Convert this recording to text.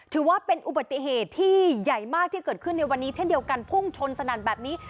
ถือว่าเป็นอุบัติเหตุที่ใหญ่มากที่เกิดขึ้นในวันนี้เช่นเดียวกันพุ่งชนสนั่นแบบนี้